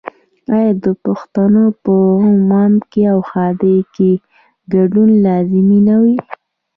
آیا د پښتنو په غم او ښادۍ کې ګډون لازمي نه وي؟